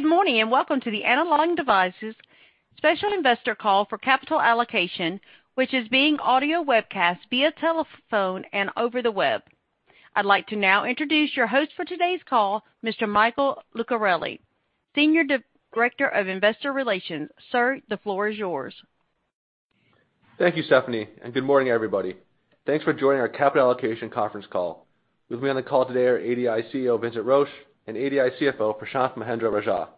Good morning, and welcome to the Analog Devices Special Investor Call for Capital Allocation, which is being audio webcast via telephone and over the web. I'd like to now introduce your host for today's call, Mr. Michael Lucarelli, Senior Director of Investor Relations. Sir, the floor is yours. Thank you, Stephanie, and good morning, everybody. Thanks for joining our Capital Allocation Conference call. With me on the call today are ADI CEO Vincent Roche and ADI CFO Prashanth Mahendra-Rajah.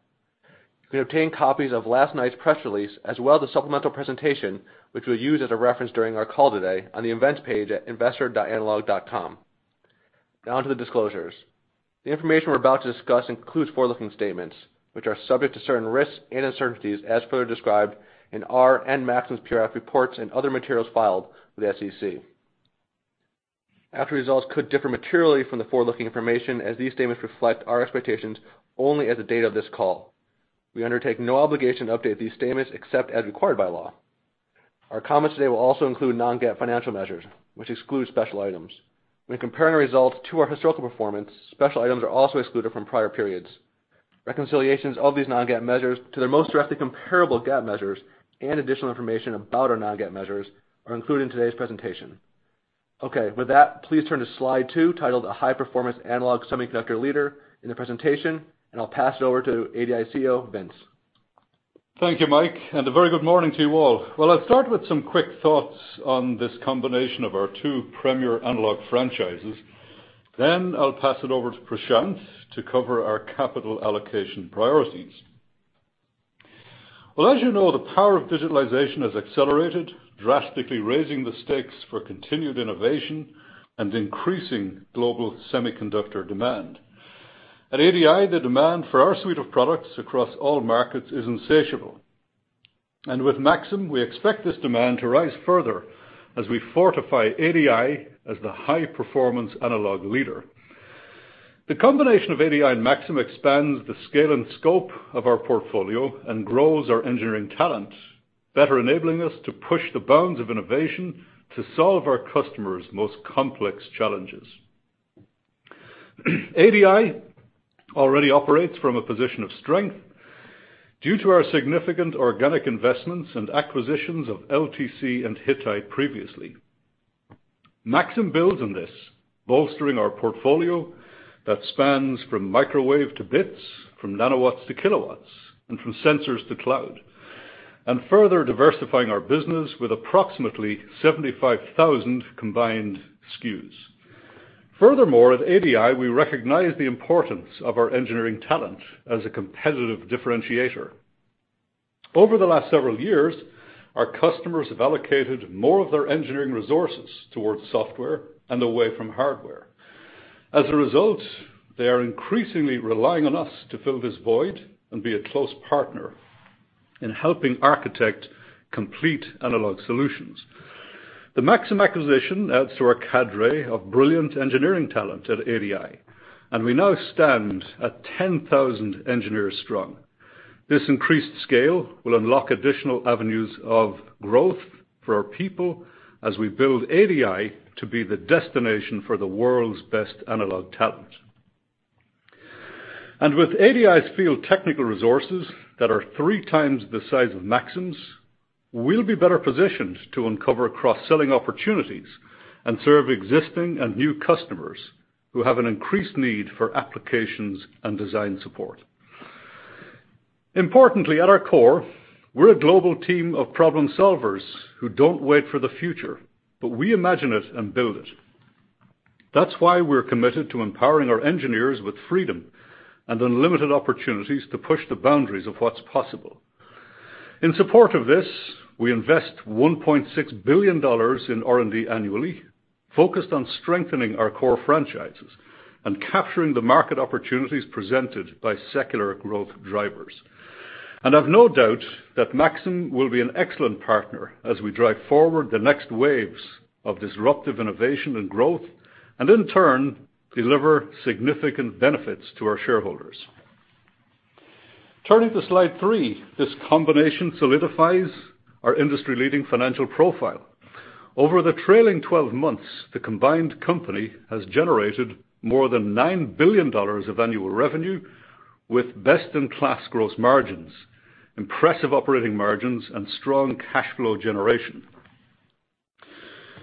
You can obtain copies of last night's press release as well as the supplemental presentation, which we'll use as a reference during our call today on the Events page at investor.analog.com. Now on to the disclosures. The information we're about to discuss includes forward-looking statements, which are subject to certain risks and uncertainties as further described in our and Maxim's periodic reports and other materials filed with the SEC. Actual results could differ materially from the forward-looking information, as these statements reflect our expectations only as of the date of this call. We undertake no obligation to update these statements except as required by law. Our comments today will also include non-GAAP financial measures, which exclude special items. When comparing results to our historical performance, special items are also excluded from prior periods. Reconciliations of these non-GAAP measures to their most directly comparable GAAP measures and additional information about our non-GAAP measures are included in today's presentation. Okay. With that, please turn to slide two, titled A High Performance Analog Semiconductor Leader in the presentation, and I'll pass it over to ADI CEO, Vince. Thank you, Mike, and a very good morning to you all. I'll start with some quick thoughts on this combination of our two premier analog franchises. I'll pass it over to Prashanth to cover our capital allocation priorities. As you know, the power of digitalization has accelerated, drastically raising the stakes for continued innovation and increasing global semiconductor demand. At ADI, the demand for our suite of products across all markets is insatiable. With Maxim, we expect this demand to rise further as we fortify ADI as the high-performance analog leader. The combination of ADI and Maxim expands the scale and scope of our portfolio and grows our engineering talent, better enabling us to push the bounds of innovation to solve our customers' most complex challenges. ADI already operates from a position of strength due to our significant organic investments and acquisitions of LTC and Hittite previously. Maxim builds on this, bolstering our portfolio that spans from microwave to bits, from nanowatts to kilowatts, and from sensors to cloud, and further diversifying our business with approximately 75,000 combined SKUs. Furthermore, at ADI, we recognize the importance of our engineering talent as a competitive differentiator. Over the last several years, our customers have allocated more of their engineering resources towards software and away from hardware. As a result, they are increasingly relying on us to fill this void and be a close partner in helping architect complete analog solutions. The Maxim acquisition adds to our cadre of brilliant engineering talent at ADI, and we now stand at 10,000 engineers strong. This increased scale will unlock additional avenues of growth for our people as we build ADI to be the destination for the world's best analog talent. With ADI's field technical resources that are 3x the size of Maxim's, we'll be better positioned to uncover cross-selling opportunities and serve existing and new customers who have an increased need for applications and design support. Importantly, at our core, we're a global team of problem solvers who don't wait for the future, but we imagine it and build it. That's why we're committed to empowering our engineers with freedom and unlimited opportunities to push the boundaries of what's possible. In support of this, we invest $1.6 billion in R&D annually, focused on strengthening our core franchises and capturing the market opportunities presented by secular growth drivers. I've no doubt that Maxim will be an excellent partner as we drive forward the next waves of disruptive innovation and growth, and in turn, deliver significant benefits to our shareholders. Turning to slide three, this combination solidifies our industry-leading financial profile. Over the trailing 12 months, the combined company has generated more than $9 billion of annual revenue with best-in-class gross margins, impressive operating margins, and strong cash flow generation.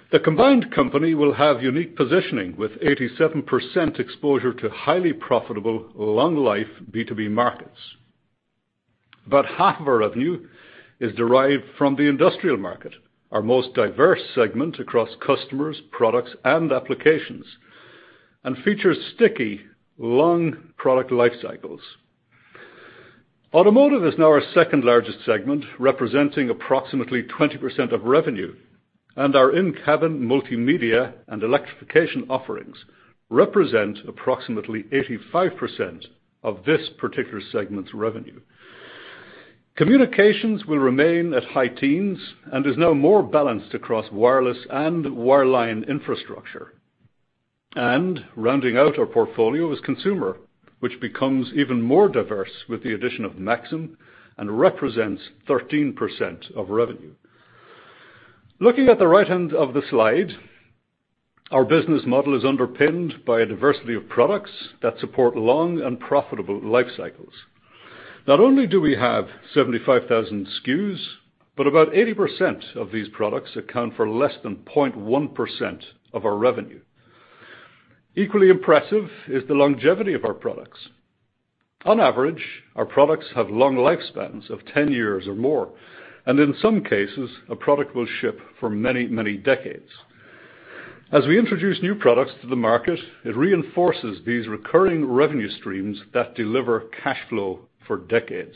The combined company will have unique positioning with 87% exposure to highly profitable, long-life B2B markets. About half of our revenue is derived from the industrial market, our most diverse segment across customers, products, and applications, and features sticky, long product life cycles. Automotive is now our second-largest segment, representing approximately 20% of revenue, and our in-cabin multimedia and electrification offerings represent approximately 85% of this particular segment's revenue. Communications will remain at high teens and is now more balanced across wireless and wireline infrastructure. Rounding out our portfolio is consumer, which becomes even more diverse with the addition of Maxim and represents 13% of revenue. Looking at the right hand of the slide, our business model is underpinned by a diversity of products that support long and profitable life cycles. Not only do we have 75,000 SKUs, but about 80% of these products account for less than 0.1% of our revenue. Equally impressive is the longevity of our products. On average, our products have long lifespans of 10 years or more, and in some cases, a product will ship for many, many decades. As we introduce new products to the market, it reinforces these recurring revenue streams that deliver cash flow for decades.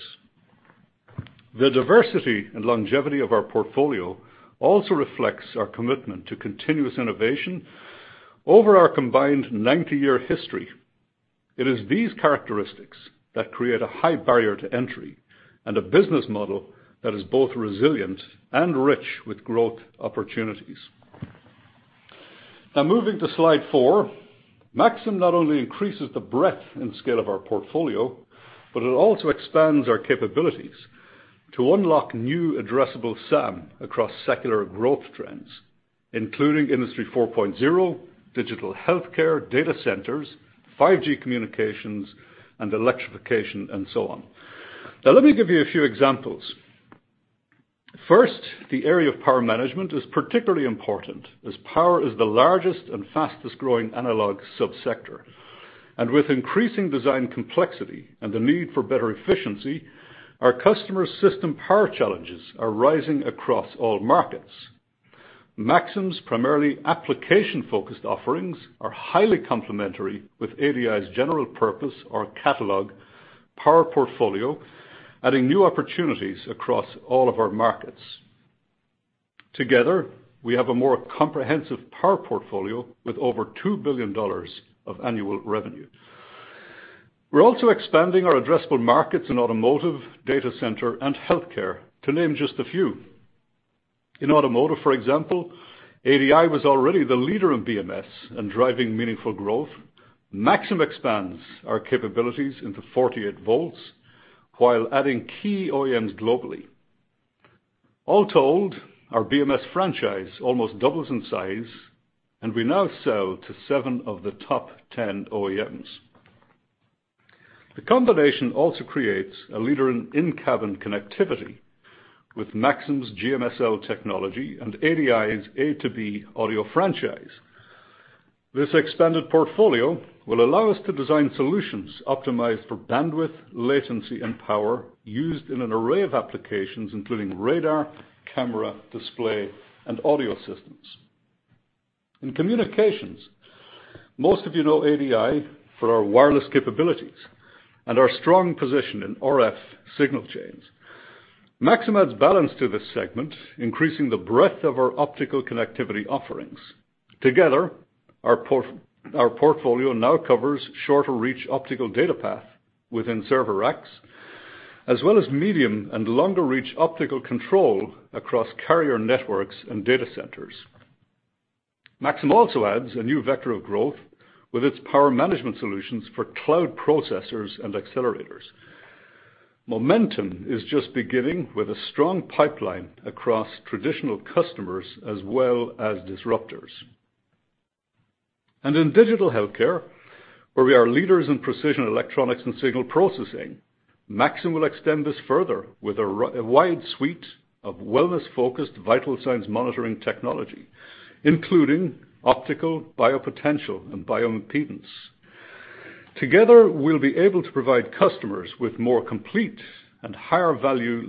The diversity and longevity of our portfolio also reflects our commitment to continuous innovation over our combined 90-year history. It is these characteristics that create a high barrier to entry and a business model that is both resilient and rich with growth opportunities. Moving to slide four, Maxim not only increases the breadth and scale of our portfolio, but it also expands our capabilities to unlock new addressable SAM across secular growth trends, including Industry 4.0, digital healthcare, data centers, 5G communications, and electrification, and so on. Let me give you a few examples. First, the area of power management is particularly important, as power is the largest and fastest-growing analog sub-sector. With increasing design complexity and the need for better efficiency, our customer's system power challenges are rising across all markets. Maxim's primarily application-focused offerings are highly complementary with ADI's general purpose or catalog power portfolio, adding new opportunities across all of our markets. Together, we have a more comprehensive power portfolio with over $2 billion of annual revenue. We're also expanding our addressable markets in automotive, data center, and healthcare, to name just a few. In automotive, for example, ADI was already the leader in BMS and driving meaningful growth. Maxim expands our capabilities into 48 volts while adding key OEMs globally. All told, our BMS franchise almost doubles in size, and we now sell to seven of the top 10 OEMs. The combination also creates a leader in in-cabin connectivity with Maxim's GMSL technology and ADI's A2B audio franchise. This expanded portfolio will allow us to design solutions optimized for bandwidth, latency, and power used in an array of applications, including radar, camera, display, and audio systems. In communications, most of you know ADI for our wireless capabilities and our strong position in RF signal chains. Maxim adds balance to this segment, increasing the breadth of our optical connectivity offerings. Together, our portfolio now covers shorter reach optical data path within server racks, as well as medium and longer reach optical control across carrier networks and data centers. Maxim also adds a new vector of growth with its power management solutions for cloud processors and accelerators. Momentum is just beginning with a strong pipeline across traditional customers as well as disruptors. In digital healthcare, where we are leaders in precision electronics and signal processing, Maxim will extend this further with a wide suite of wellness-focused vital signs monitoring technology, including optical, biopotential, and bioimpedance. Together, we'll be able to provide customers with more complete and higher value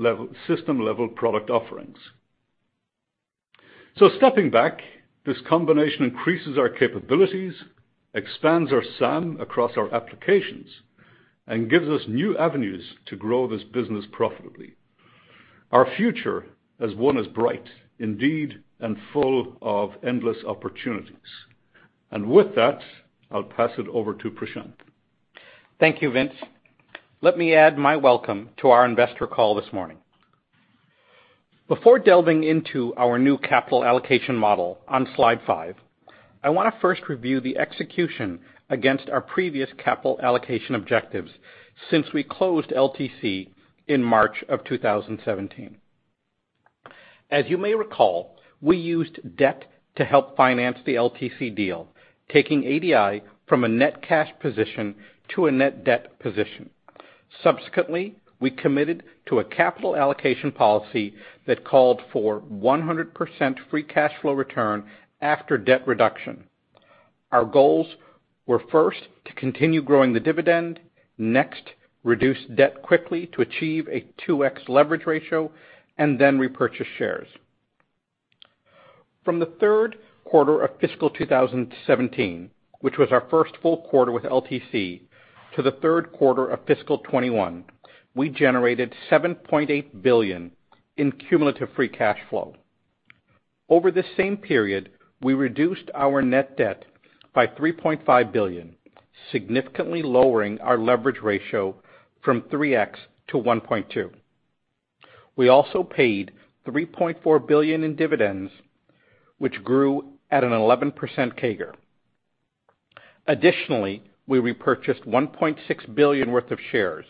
system-level product offerings. Stepping back, this combination increases our capabilities, expands our SAM across our applications, and gives us new avenues to grow this business profitably. Our future as one is bright, indeed, and full of endless opportunities. With that, I'll pass it over to Prashanth. Thank you, Vince. Let me add my welcome to our investor call this morning. Before delving into our new capital allocation model on slide five, I want to first review the execution against our previous capital allocation objectives since we closed LTC in March of 2017. As you may recall, we used debt to help finance the LTC deal, taking ADI from a net cash position to a net debt position. Subsequently, we committed to a capital allocation policy that called for 100% free cash flow return after debt reduction. Our goals were first, to continue growing the dividend, next, reduce debt quickly to achieve a 2x leverage ratio, and then repurchase shares. From the third quarter of fiscal 2017, which was our first full quarter with LTC, to the third quarter of fiscal 2021, we generated $7.8 billion in cumulative free cash flow. Over the same period, we reduced our net debt by $3.5 billion, significantly lowering our leverage ratio from 3x to 1.2. We also paid $3.4 billion in dividends, which grew at an 11% CAGR. Additionally, we repurchased $1.6 billion worth of shares.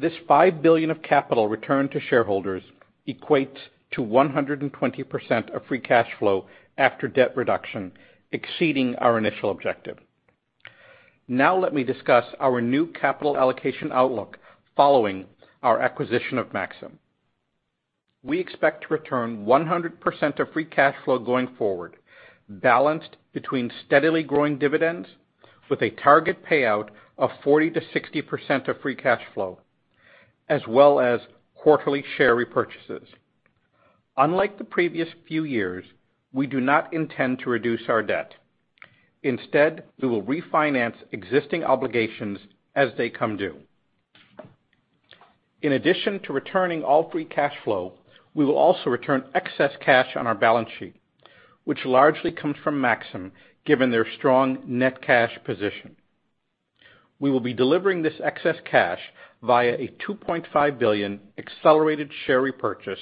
This $5 billion of capital returned to shareholders equates to 120% of free cash flow after debt reduction, exceeding our initial objective. Let me discuss our new capital allocation outlook following our acquisition of Maxim. We expect to return 100% of free cash flow going forward, balanced between steadily growing dividends, with a target payout of 40%-60% of free cash flow, as well as quarterly share repurchases. Unlike the previous few years, we do not intend to reduce our debt. Instead, we will refinance existing obligations as they come due. In addition to returning all free cash flow, we will also return excess cash on our balance sheet, which largely comes from Maxim, given their strong net cash position. We will be delivering this excess cash via a $2.5 billion accelerated share repurchase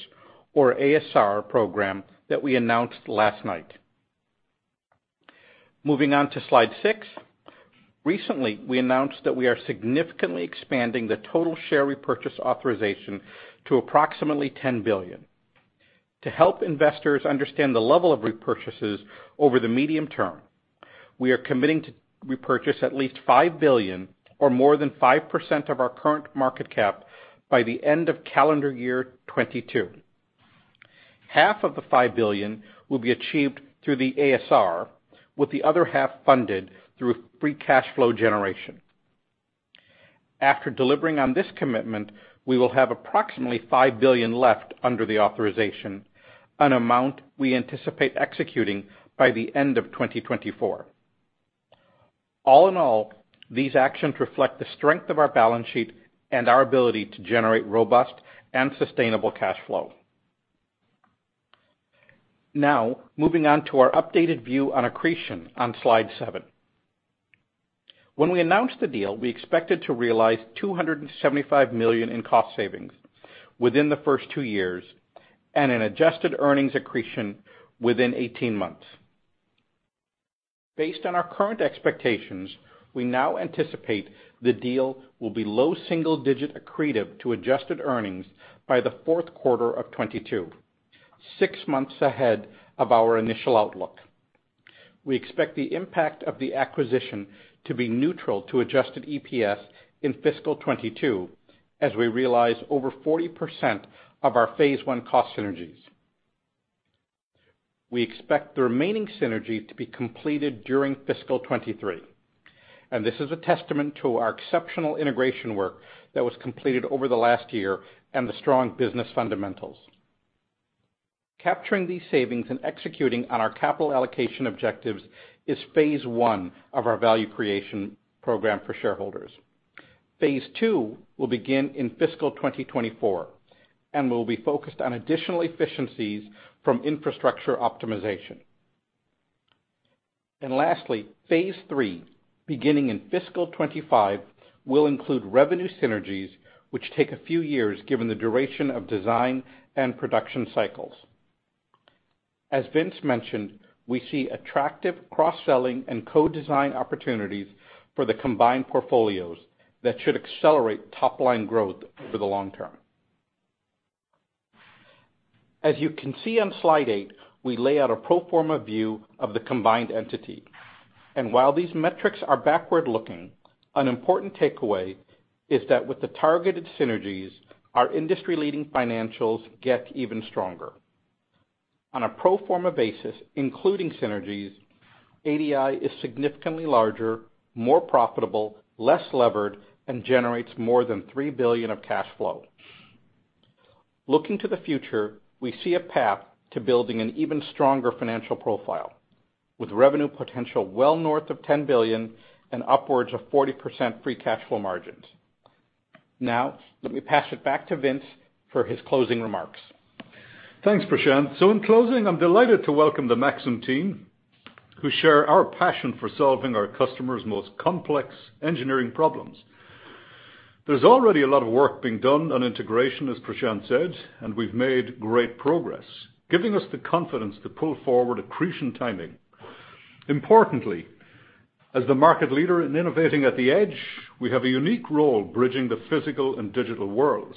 or ASR program that we announced last night. Moving on to slide six. Recently, we announced that we are significantly expanding the total share repurchase authorization to approximately $10 billion. To help investors understand the level of repurchases over the medium term, we are committing to repurchase at least $5 billion or more than 5% of our current market cap by the end of calendar year 2022. Half of the $5 billion will be achieved through the ASR, with the other half funded through free cash flow generation. After delivering on this commitment, we will have approximately $5 billion left under the authorization, an amount we anticipate executing by the end of 2024. These actions reflect the strength of our balance sheet and our ability to generate robust and sustainable cash flow. Moving on to our updated view on accretion on slide seven. When we announced the deal, we expected to realize $275 million in cost savings within the first two years and an adjusted earnings accretion within 18 months. Based on our current expectations, we now anticipate the deal will be low double-digit accretive to adjusted earnings by the fourth quarter of 2022, six months ahead of our initial outlook. We expect the impact of the acquisition to be neutral to adjusted EPS in fiscal 2022, as we realize over 40% of our phase I cost synergies. We expect the remaining synergies to be completed during fiscal 2023. This is a testament to our exceptional integration work that was completed over the last year and the strong business fundamentals. Capturing these savings and executing on our capital allocation objectives is phase I of our value creation program for shareholders. Phase II will begin in fiscal 2024, and will be focused on additional efficiencies from infrastructure optimization. Lastly, phase III, beginning in fiscal 2025, will include revenue synergies, which take a few years, given the duration of design and production cycles. As Vince mentioned, we see attractive cross-selling and co-design opportunities for the combined portfolios that should accelerate top-line growth over the long term. As you can see on slide eight, we lay out a pro forma view of the combined entity. While these metrics are backward-looking, an important takeaway is that with the targeted synergies, our industry-leading financials get even stronger. On a pro forma basis, including synergies, ADI is significantly larger, more profitable, less levered, and generates more than $3 billion of cash flow. Looking to the future, we see a path to building an even stronger financial profile, with revenue potential well north of $10 billion and upwards of 40% free cash flow margins. Now, let me pass it back to Vince for his closing remarks. Thanks, Prashant. In closing, I'm delighted to welcome the Maxim team, who share our passion for solving our customers' most complex engineering problems. There's already a lot of work being done on integration, as Prashanth said, and we've made great progress, giving us the confidence to pull forward accretion timing. Importantly, as the market leader in innovating at the Edge, we have a unique role bridging the physical and digital worlds.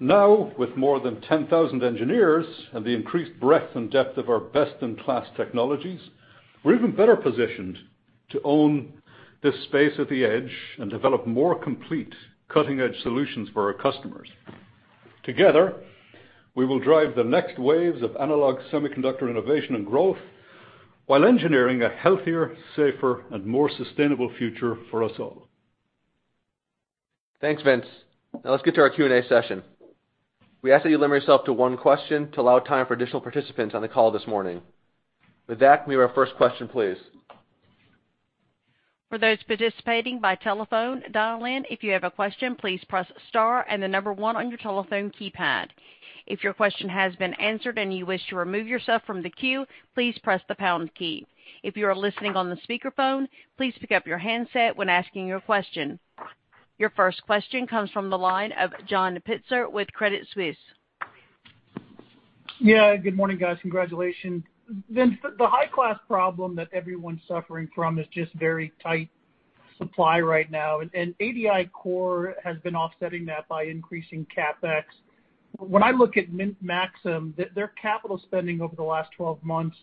With more than 10,000 engineers and the increased breadth and depth of our best-in-class technologies, we're even better positioned to own this space at the Edge and develop more complete cutting-edge solutions for our customers. Together, we will drive the next waves of analog semiconductor innovation and growth while engineering a healthier, safer, and more sustainable future for us all. Thanks, Vince. Now let's get to our Q&A session. We ask that you limit yourself to one question to allow time for additional participants on the call this morning. With that, give me our first question, please. For those participating by telephone dial-in, if you have a question, please press star 1 on your telephone keypad. If your question has been answered and you wish to remove yourself from the queue, please press the pound key. If you are listening on the speakerphone, please pick up your handset when asking your question. Your first question comes from the line of John Pitzer with Credit Suisse. Yeah. Good morning, guys. Congratulations. Vince, the high-class problem that everyone's suffering from is just very tight supply right now. ADI core has been offsetting that by increasing CapEx. When I look at Maxim, their capital spending over the last 12 months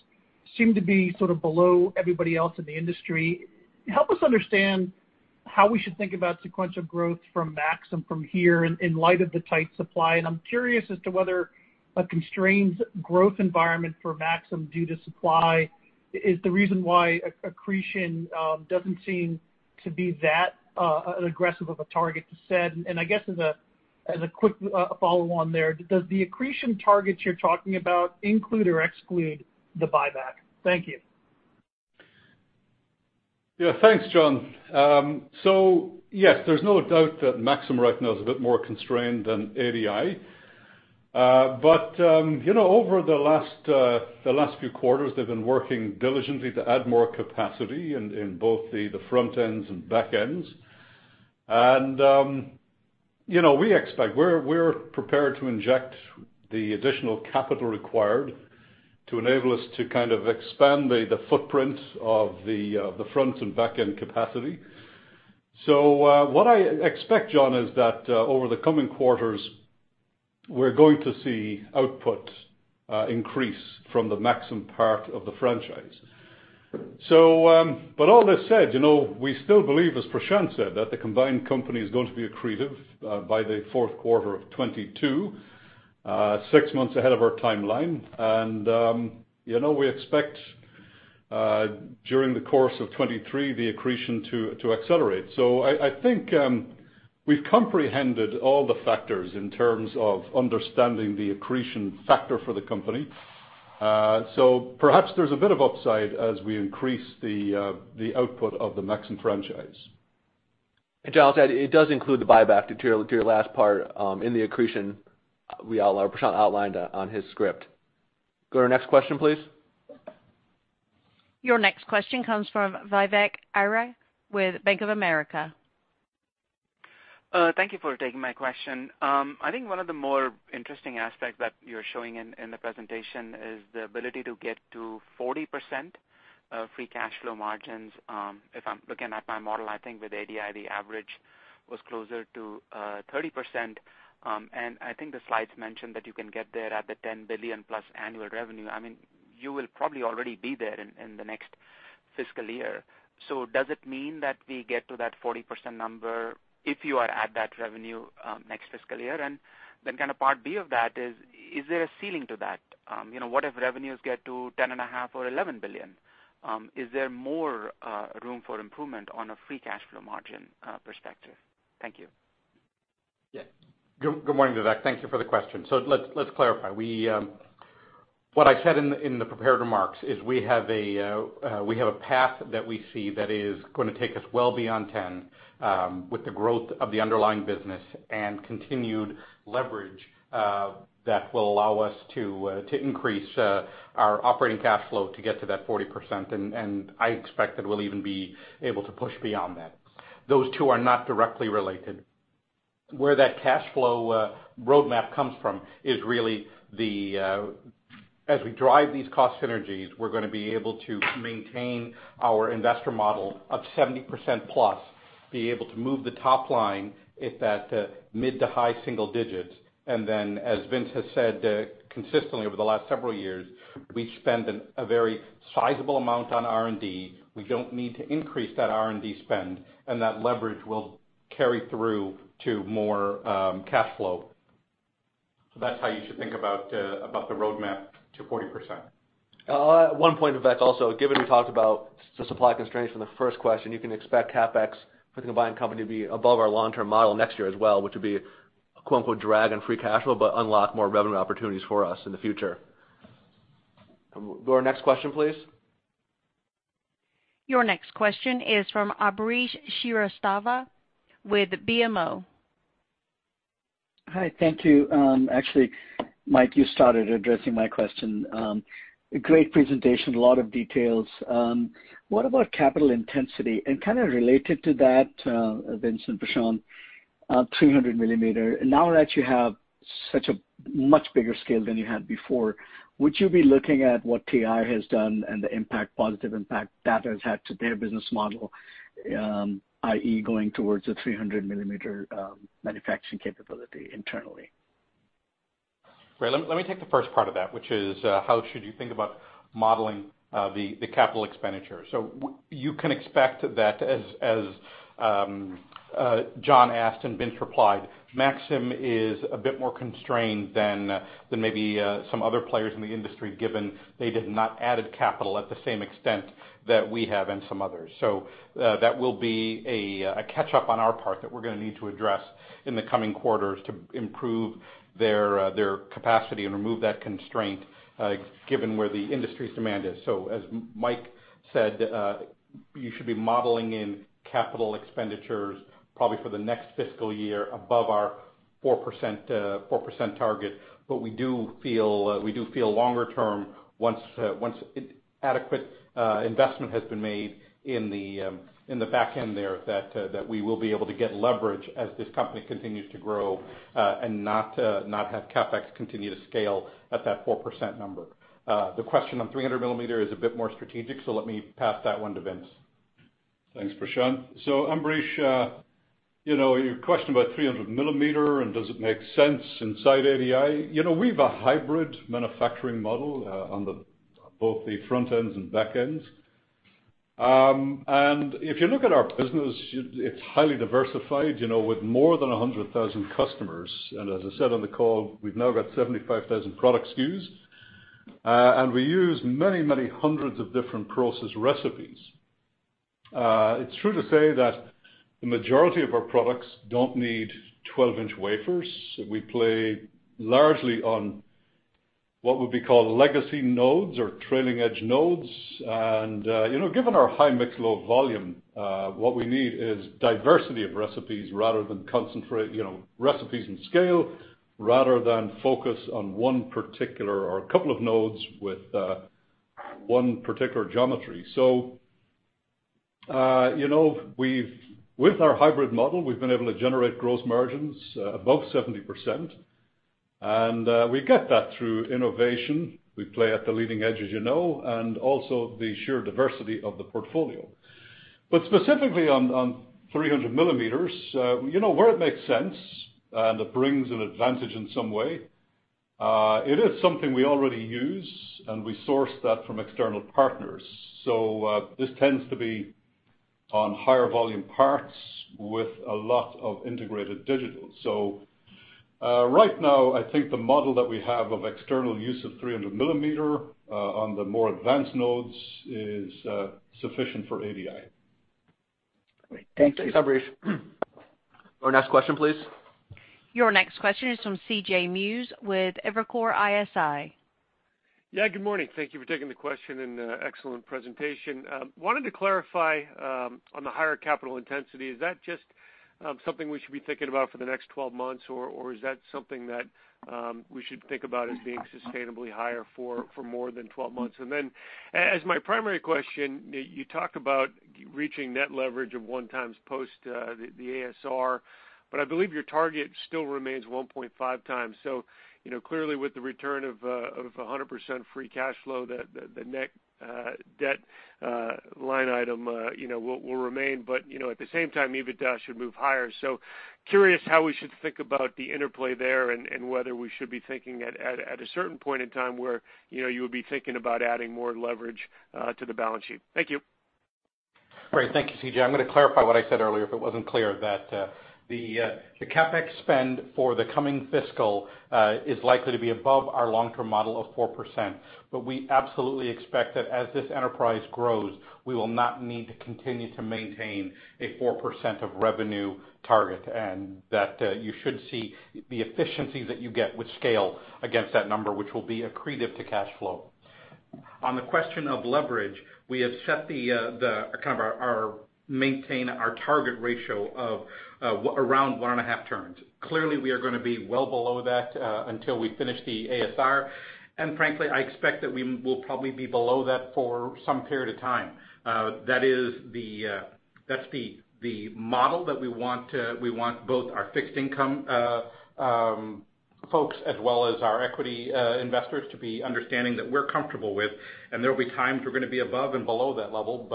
seemed to be sort of below everybody else in the industry. Help us understand how we should think about sequential growth from Maxim from here in light of the tight supply. I'm curious as to whether a constrained growth environment for Maxim due to supply is the reason why accretion doesn't seem to be that aggressive of a target to set. I guess as a quick follow-on there, does the accretion targets you're talking about include or exclude the buyback? Thank you. Yeah. Thanks, John. Yes, there's no doubt that Maxim right now is a bit more constrained than ADI. Over the last few quarters, they've been working diligently to add more capacity in both the front ends and back ends. We're prepared to inject the additional capital required to enable us to kind of expand the footprint of the front and back end capacity. What I expect, John, is that, over the coming quarters, we're going to see output increase from the Maxim part of the franchise. All this said, we still believe, as Prashanth said, that the combined company is going to be accretive by the fourth quarter of 2022, six months ahead of our timeline. We expect, during the course of 2023, the accretion to accelerate. I think we've comprehended all the factors in terms of understanding the accretion factor for the company. Perhaps there's a bit of upside as we increase the output of the Maxim franchise. John, it does include the buyback to your last part in the accretion Prashanth outlined on his script. Go to our next question, please. Your next question comes from Vivek Arya with Bank of America. Thank you for taking my question. I think one of the more interesting aspects that you're showing in the presentation is the ability to get to 40% free cash flow margins. If I'm looking at my model, I think with ADI, the average was closer to 30%. I think the slides mentioned that you can get there at the $10 billion+ annual revenue. You will probably already be there in the next fiscal year. Does it mean that we get to that 40% number if you are at that revenue next fiscal year? Kind of part B of that is there a ceiling to that? What if revenues get to $10.5 billion or $11 billion? Is there more room for improvement on a free cash flow margin perspective? Thank you. Yeah. Good morning, Vivek. Thank you for the question. Let's clarify. What I said in the prepared remarks is we have a path that we see that is going to take us well beyond 10 with the growth of the underlying business and continued leverage that will allow us to increase our operating cash flow to get to that 40%. I expect that we'll even be able to push beyond that. Those two are not directly related. Where that cash flow roadmap comes from is really as we drive these cost synergies, we're going to be able to maintain our investor model of 70%+, be able to move the top line at that mid to high single digits. As Vince has said consistently over the last several years, we spend a very sizable amount on R&D. We don't need to increase that R&D spend, and that leverage will carry through to more cash flow. That's how you should think about the roadmap to 40%. One point, Vivek, also, given we talked about the supply constraints from the first question, you can expect CapEx for the combined company to be above our long-term model next year as well, which will be a quote-unquote drag on free cash flow, but unlock more revenue opportunities for us in the future. Go to our next question, please. Your next question is from Ambrish Srivastava with BMO. Hi. Thank you. Actually, Mike, you started addressing my question. Great presentation, a lot of details. What about capital intensity? Kind of related to that, Vince and Prashanth, 300 millimeter. Now that you have such a much bigger scale than you had before, would you be looking at what TI has done and the positive impact that has had to their business model, i.e., going towards a 300-millimeter manufacturing capability internally? Right. Let me take the first part of that, which is how should you think about modeling the capital expenditure. You can expect that, as John asked and Vince replied, Maxim is a bit more constrained than maybe some other players in the industry, given they did not added capital at the same extent that we have and some others. That will be a catch-up on our part that we're going to need to address in the coming quarters to improve their capacity and remove that constraint, given where the industry's demand is. As Mike said, you should be modeling in capital expenditures probably for the next fiscal year above our 4% target. We do feel longer term, once adequate investment has been made in the back end there, that we will be able to get leverage as this company continues to grow, and not have CapEx continue to scale at that 4% number. The question on 300 millimeter is a bit more strategic, so let me pass that one to Vince. Thanks, Prashanth. Ambrish, your question about 300 millimeter and does it make sense inside ADI, we've a hybrid manufacturing model on both the front ends and back ends. If you look at our business, it's highly diversified, with more than 100,000 customers. As I said on the call, we've now got 75,000 product SKUs, and we use many, many hundreds of different process recipes. It's true to say that the majority of our products don't need 12-inch wafers. We play largely on what would be called legacy nodes or trailing edge nodes. Given our high mix, low volume, what we need is diversity of recipes rather than concentrate recipes and scale, rather than focus on one particular or a couple of nodes with one particular geometry. With our hybrid model, we've been able to generate gross margins above 70%, and we get that through innovation. We play at the leading edge, as you know, and also the sheer diversity of the portfolio. Specifically on 300 millimeters, where it makes sense and it brings an advantage in some way, it is something we already use, and we source that from external partners. This tends to be on higher volume parts with a lot of integrated digital. Right now, I think the model that we have of external use of 300 millimeter on the more advanced nodes is sufficient for ADI. Great. Thank you. Thanks, Ambrish. Our next question, please. Your next question is from CJ Muse with Evercore ISI. Yeah, good morning. Thank you for taking the question and excellent presentation. Wanted to clarify on the higher capital intensity, is that just something we should be thinking about for the next 12 months, or is that something that we should think about as being sustainably higher for more than 12 months? As my primary question, you talk about reaching net leverage of 1x post the ASR, but I believe your target still remains 1.5x. Clearly with the return of 100% free cash flow, the net debt line item will remain. At the same time, EBITDA should move higher. Curious how we should think about the interplay there, and whether we should be thinking at a certain point in time where you would be thinking about adding more leverage to the balance sheet. Thank you. Great. Thank you, CJ I'm going to clarify what I said earlier, if it wasn't clear, that the CapEx spend for the coming fiscal is likely to be above our long-term model of 4%. We absolutely expect that as this enterprise grows, we will not need to continue to maintain a 4% of revenue target, and that you should see the efficiencies that you get with scale against that number, which will be accretive to cash flow. On the question of leverage, we have set the kind of our maintain our target ratio of around 1.5 turns. Clearly, we are going to be well below that until we finish the ASR. Frankly, I expect that we will probably be below that for some period of time. That's the model that we want both our fixed income folks as well as our equity investors to be understanding that we're comfortable with, and there will be times we're going to be above and below that level.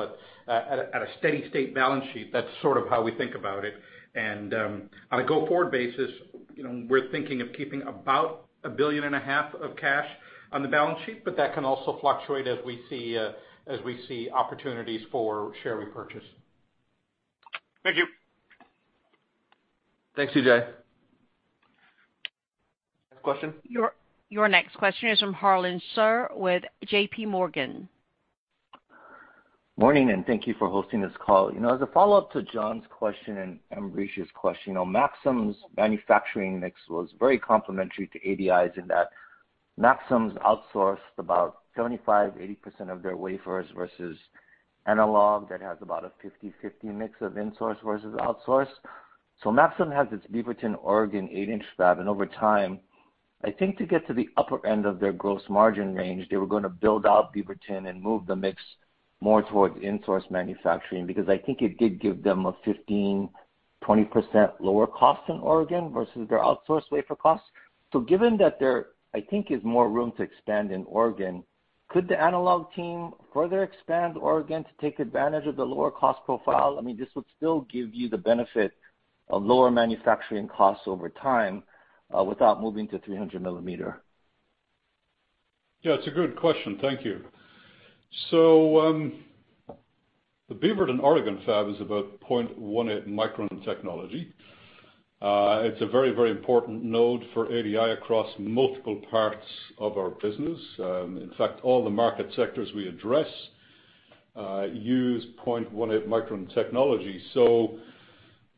At a steady state balance sheet, that's sort of how we think about it. On a go-forward basis, we're thinking of keeping about a billion and a half of cash on the balance sheet, but that can also fluctuate as we see opportunities for share repurchase. Thank you. Thanks, CJ. Next question. Your next question is from Harlan Sur with J.P. Morgan. Morning, and thank you for hosting this call. As a follow-up to John's question and Ambrish's question, Maxim's manufacturing mix was very complementary to ADI's in that Maxim's outsourced about 75%-80% of their wafers versus Analog that has about a 50/50 mix of insource versus outsource. Maxim has its Beaverton, Oregon, 8-inch fab, and over time, I think to get to the upper end of their gross margin range, they were going to build out Beaverton and move the mix more towards insource manufacturing, because I think it did give them a 15%-20% lower cost in Oregon versus their outsourced wafer cost. Given that there I think is more room to expand in Oregon, could the Analog team further expand Oregon to take advantage of the lower cost profile? I mean, this would still give you the benefit of lower manufacturing costs over time without moving to 300 millimeter. Yeah, it's a good question, thank you. The Beaverton, Oregon, fab is about 0.18 micron technology. It's a very important node for ADI across multiple parts of our business. In fact, all the market sectors we address use 0.18 micron technology.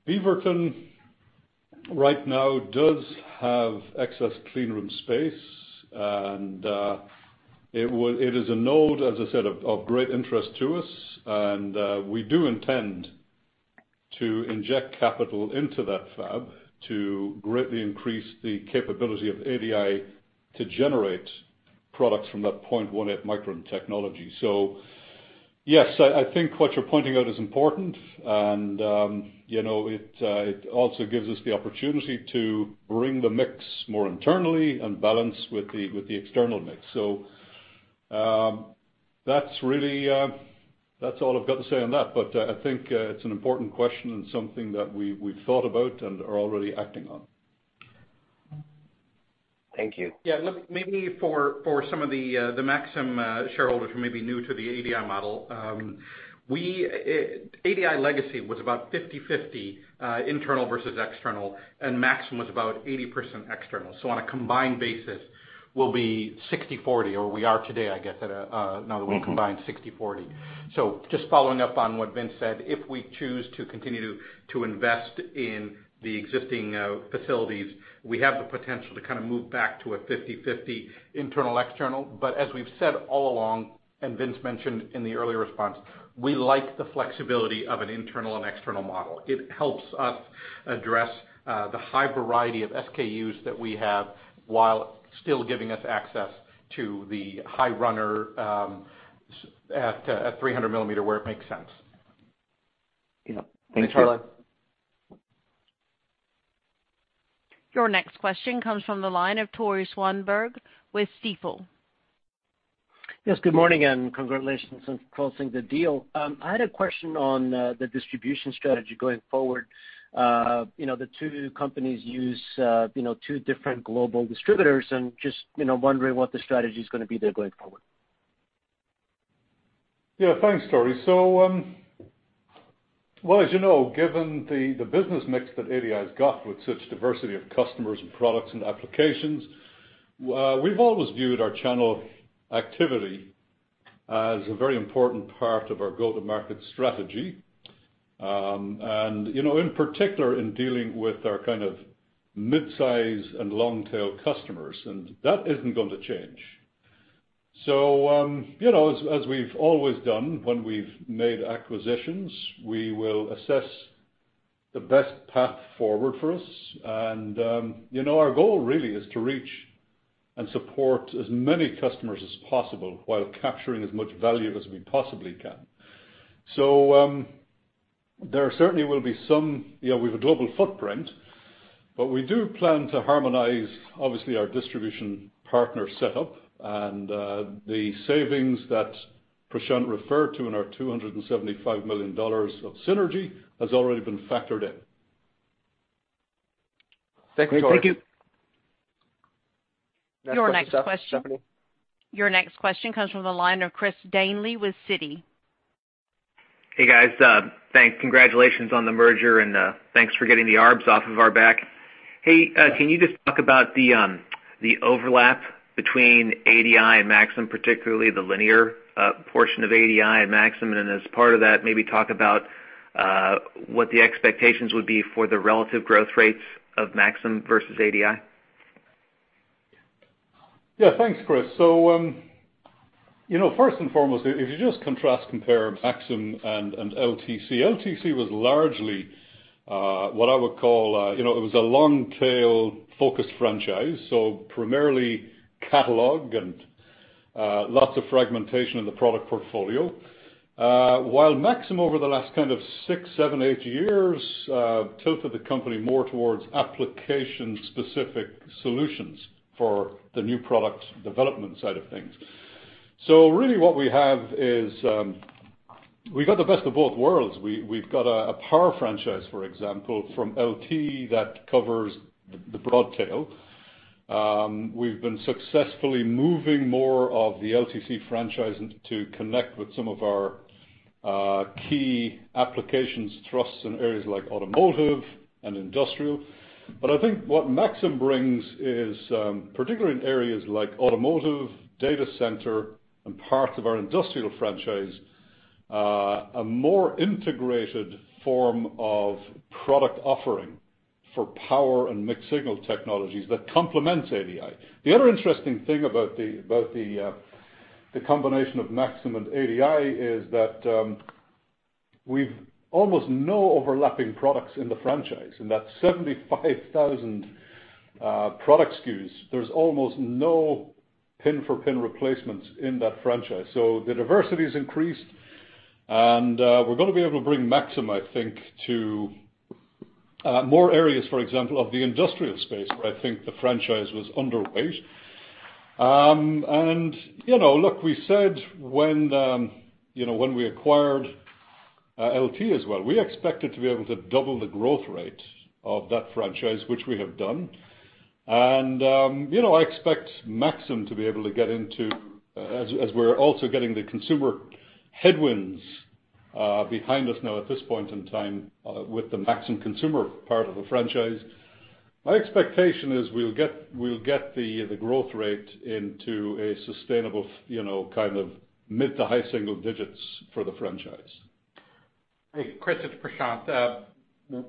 Beaverton right now does have excess clean room space, and it is a node, as I said, of great interest to us, and we do intend to inject capital into that fab to greatly increase the capability of ADI to generate products from that 0.18 micron technology. Yes, I think what you're pointing out is important, and it also gives us the opportunity to bring the mix more internally and balance with the external mix. That's all I've got to say on that, but I think it's an important question and something that we've thought about and are already acting on. Thank you. Yeah. Maybe for some of the Maxim shareholders who may be new to the ADI model, ADI legacy was about 50/50 internal versus external, and Maxim was about 80% external. On a combined basis, we'll be 60/40, or we are today, I guess now that we're combined 60/40. Just following up on what Vince said, if we choose to continue to invest in the existing facilities, we have the potential to kind of move back to a 50/50 internal, external. As we've said all along, and Vince mentioned in the earlier response, we like the flexibility of an internal and external model. It helps us address the high variety of SKUs that we have while still giving us access to the high runner at 300 millimeter where it makes sense. Yeah. Thank you. Thanks, Harlan. Your next question comes from the line of Tore Svanberg with Stifel. Yes, good morning, and congratulations on closing the deal. I had a question on the distribution strategy going forward. The two companies use two different global distributors and just wondering what the strategy is going to be there going forward. Yeah, thanks, Tore. Well, as you know, given the business mix that ADI's got with such diversity of customers and products and applications, we've always viewed our channel activity as a very important part of our go-to-market strategy. In particular, in dealing with our kind of mid-size and long-tail customers, and that isn't going to change. As we've always done when we've made acquisitions, we will assess the best path forward for us, and our goal really is to reach and support as many customers as possible while capturing as much value as we possibly can. There certainly will be some-- We have a global footprint, but we do plan to harmonize, obviously, our distribution partner setup, and the savings that Prashanth referred to in our $275 million of synergy has already been factored in. Thanks, Tore. Great. Thank you. Your next question. Next up, Stephanie. Your next question comes from the line of Christopher Danely with Citi. Hey, guys. Congratulations on the merger, and thanks for getting the arbs off of our back. Hey, can you just talk about the overlap between ADI and Maxim, particularly the linear portion of ADI and Maxim, and then as part of that, maybe talk about what the expectations would be for the relative growth rates of Maxim versus ADI? Yeah. Thanks, Chris. First and foremost, if you just contrast compare Maxim and LTC. LTC was largely what I would call a long tail focused franchise, so primarily catalog and lots of fragmentation in the product portfolio. While Maxim, over the last kind of six, seven, eight years, tilted the company more towards application specific solutions for the new product development side of things. Really what we have is we got the best of both worlds. We've got a power franchise, for example, from LTC that covers the broad tail. We've been successfully moving more of the LTC franchise to connect with some of our key applications thrust in areas like automotive and industrial. I think what Maxim brings is, particularly in areas like automotive, data center, and parts of our industrial franchise, a more integrated form of product offering for power and mixed signal technologies that complements ADI. The other interesting thing about the combination of Maxim and ADI is that we've almost no overlapping products in the franchise. In that 75,000 product SKUs, there's almost no pin for pin replacements in that franchise. The diversity has increased, and we're going to be able to bring Maxim, I think, to more areas, for example, of the industrial space where I think the franchise was underweight. Look, we said when we acquired LT as well, we expected to be able to double the growth rate of that franchise, which we have done. I expect Maxim to be able to get into, as we're also getting the consumer headwinds behind us now at this point in time with the Maxim consumer part of the franchise. My expectation is we'll get the growth rate into a sustainable kind of mid to high single digits for the franchise. Chris, it's Prashanth.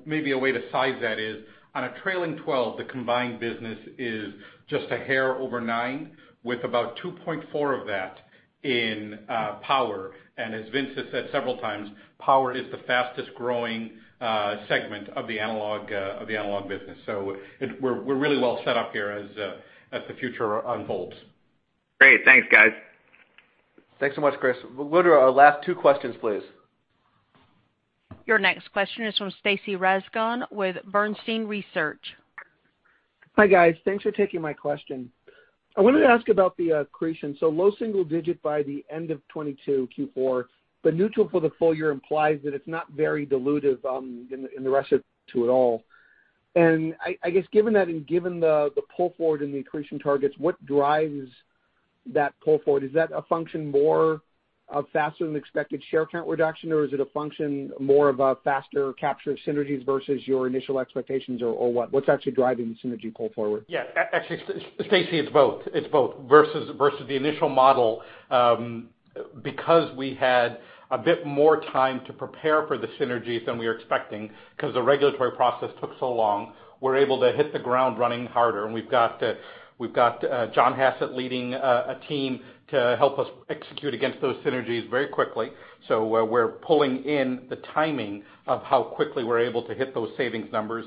Maybe a way to size that is on a trailing 12, the combined business is just a hair over $9 billion, with about $2.4 billion of that in power. As Vince has said several times, power is the fastest-growing segment of the analog business. We're really well set up here as the future unfolds. Great. Thanks, guys. Thanks so much, Chris. We'll go to our last two questions, please. Your next question is from Stacy Rasgon with Bernstein Research. Hi, guys. Thanks for taking my question. I wanted to ask about the accretion. Low single-digit by the end of 2022 Q4, but neutral for the full year implies that it's not very dilutive in the rest of it at all. I guess given that and given the pull forward in the accretion targets, what drives that pull forward? Is that a function more of faster than expected share count reduction, or is it a function more of a faster capture of synergies versus your initial expectations, or what? What's actually driving the synergy pull forward? Actually, Stacy, it's both. Versus the initial model, because we had a bit more time to prepare for the synergies than we were expecting because the regulatory process took so long, we're able to hit the ground running harder. We've got John Hassett leading a team to help us execute against those synergies very quickly. We're pulling in the timing of how quickly we're able to hit those savings numbers.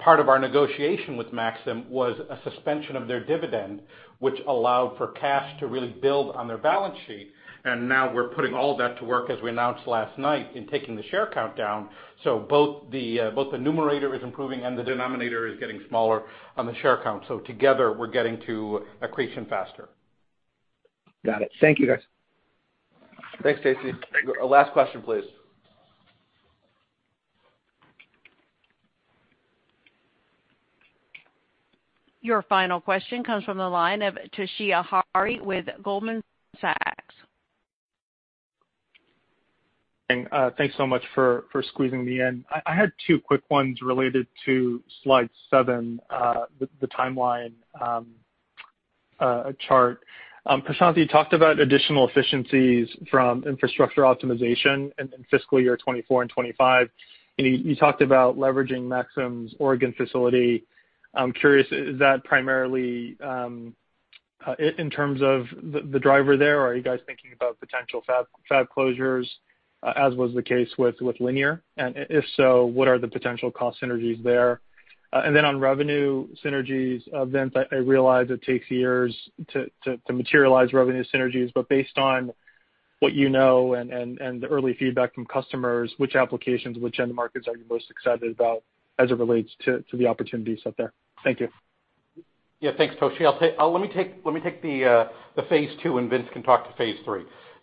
Part of our negotiation with Maxim was a suspension of their dividend, which allowed for cash to really build on their balance sheet. Now we're putting all that to work, as we announced last night, in taking the share count down. Both the numerator is improving and the denominator is getting smaller on the share count. Together, we're getting to accretion faster. Got it. Thank you, guys. Thanks, Stacy. Last question, please. Your final question comes from the line of Toshiya Hari with Goldman Sachs. Thanks so much for squeezing me in. I had two quick ones related to slide seven, the timeline chart. Prashanth, you talked about additional efficiencies from infrastructure optimization in fiscal year 2024 and 2025, and you talked about leveraging Maxim's Oregon facility. I'm curious, is that primarily in terms of the driver there, or are you guys thinking about potential fab closures, as was the case with Linear? If so, what are the potential cost synergies there? Then on revenue synergies, Vince, I realize it takes years to materialize revenue synergies, but based on what you know and the early feedback from customers, which applications, which end markets are you most excited about as it relates to the opportunities out there? Thank you. Yeah, thanks, Toshiya. Let me take the phase II, and Vince can talk to phase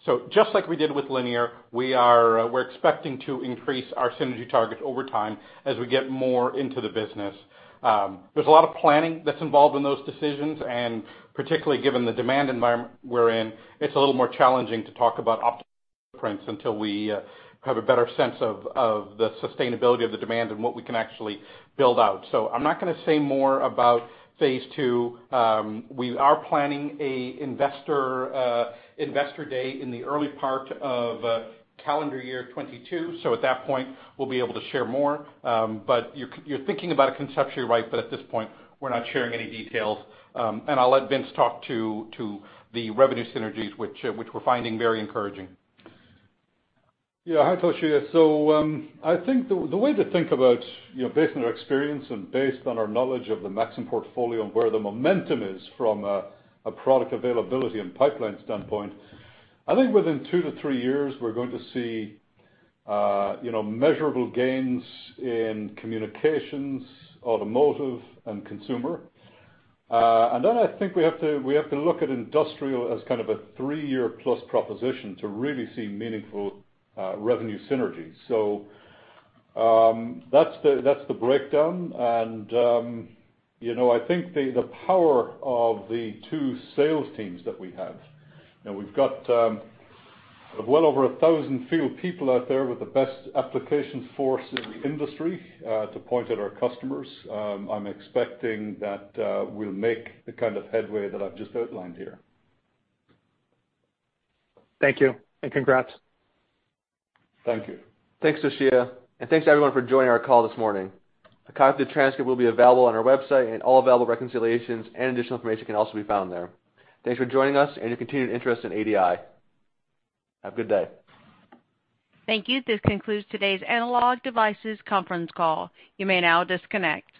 III. Just like we did with Linear, we're expecting to increase our synergy targets over time as we get more into the business. There's a lot of planning that's involved in those decisions, and particularly given the demand environment we're in, it's a little more challenging to talk about optimal prints until we have a better sense of the sustainability of the demand and what we can actually build out. I'm not going to say more about phase II. We are planning an investor day in the early part of calendar year 2022, at that point, we'll be able to share more. You're thinking about it conceptually right, but at this point, we're not sharing any details. I'll let Vince talk to the revenue synergies, which we're finding very encouraging. Hi, Toshiya. I think the way to think about, based on our experience and based on our knowledge of the Maxim portfolio and where the momentum is from a product availability and pipeline standpoint, I think within two to three years, we're going to see measurable gains in communications, automotive, and consumer. Then I think we have to look at industrial as kind of a three-year plus proposition to really see meaningful revenue synergies. That's the breakdown. I think the power of the two sales teams that we have. We've got well over 1,000 field people out there with the best application force in the industry to point at our customers. I'm expecting that we'll make the kind of headway that I've just outlined here. Thank you. Congrats. Thank you. Thanks, Toshiya, and thanks to everyone for joining our call this morning. A copy of the transcript will be available on our website, and all available reconciliations and additional information can also be found there. Thanks for joining us and your continued interest in ADI. Have a good day. Thank you. This concludes today's Analog Devices conference call. You may now disconnect.